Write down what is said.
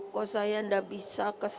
kok saya tidak bisa kesana